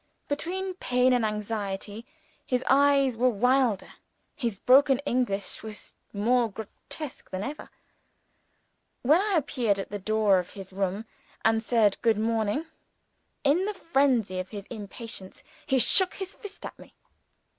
Between pain and anxiety, his eyes were wilder, his broken English was more grotesque than ever. When I appeared at the door of his room and said good morning in the frenzy of his impatience he shook his fist at me.